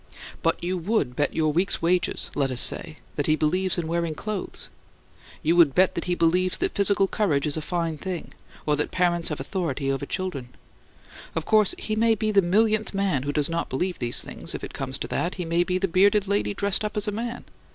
But you would bet your week's wages, let us say, that he believes in wearing clothes. You would bet that he believes that physical courage is a fine thing, or that parents have authority over children. Of course, he might be the millionth man who does not believe these things; if it comes to that, he might be the Bearded Lady dressed up as a man.